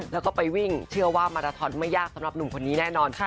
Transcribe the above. แล้วก็ไปวิ่งเชื่อว่ามาราทอนไม่ยากสำหรับหนุ่มคนนี้แน่นอน